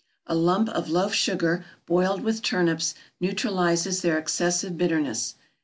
A lump of loaf sugar boiled with turnips neutralizes their excessive bitterness.